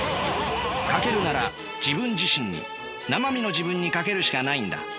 賭けるなら自分自身になま身の自分に賭けるしかないんだ。